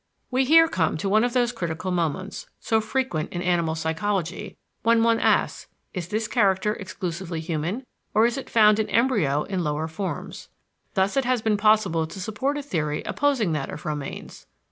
We here come to one of those critical moments, so frequent in animal psychology, when one asks, Is this character exclusively human, or is it found in embryo in lower forms? Thus it has been possible to support a theory opposing that of Romanes.